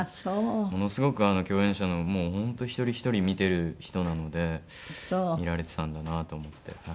ものすごく共演者の本当一人ひとり見てる人なので見られてたんだなと思って。